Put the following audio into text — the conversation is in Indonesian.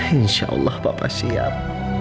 insya allah papa siap